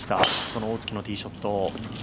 そのティーショット。